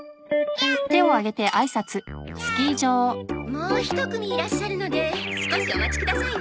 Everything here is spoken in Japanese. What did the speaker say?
もう１組いらっしゃるので少しお待ちくださいね。